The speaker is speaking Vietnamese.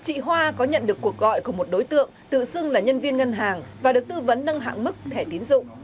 chị hoa có nhận được cuộc gọi của một đối tượng tự xưng là nhân viên ngân hàng và được tư vấn nâng hạng mức thẻ tiến dụng